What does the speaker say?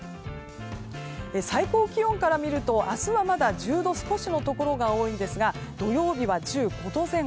最高気温から見ると明日はまだ１０度少しのところが多いですが土曜日は１５度前後。